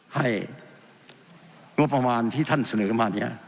ให้งบประมาณที่ท่านเสนอมาเนี่ย